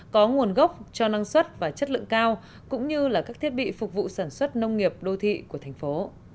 có nguồn gốc cho năng suất và chất lượng cao cũng như là các thiết bị phục vụ sản xuất nông nghiệp đô thị của thành phố